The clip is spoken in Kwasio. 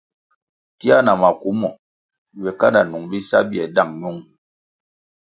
Tia na maku mo ywe kanda nung bisa bie dáng ñung.